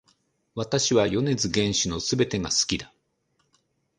私は米津玄師の全てが好きだ